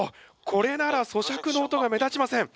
これならそしゃくの音が目立ちません！